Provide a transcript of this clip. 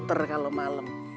ter kalau malam